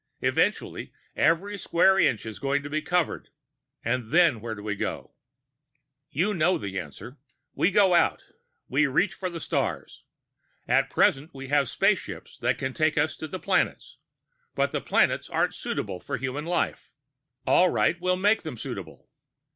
Eventually every square inch is going to be covered, and then where do we go? "You know the answer. We go out. We reach for the stars. At present we have spaceships that can take us to the planets, but the planets aren't suitable for human life. All right, we'll make them suitable!